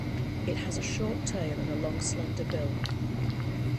It has a short tail and a long slender bill.